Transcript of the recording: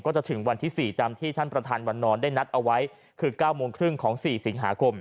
จะถึงวันที่๔ตามที่ท่านประธานวันนอนได้นัดเอาไว้คือ๙โมงครึ่งของ๔สิงหาคม